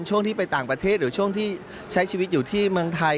ช่วงที่ไปต่างประเทศหรือช่วงที่ใช้ชีวิตอยู่ที่เมืองไทย